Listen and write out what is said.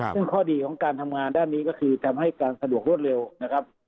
ซึ่งข้อดีของการทำงานด้านนี้ก็คือทำให้การสะดวกรวดเร็วนะครับ